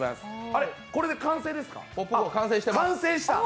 あれっ、これで完成ですか？